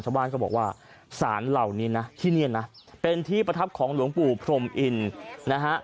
ชาวบ้านก็บอกว่าสารเหล่านี้นะที่นี่นะเป็นที่ประทับของหลวงปู่พรมอินนะฮะ